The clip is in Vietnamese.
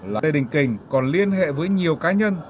là tây đình kình còn liên hệ với nhiều cá nhân